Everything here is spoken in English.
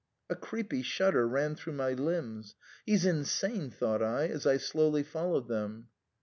A creepy shudder ran through my limbs :" He's insane," thought I, as I slowly followed them.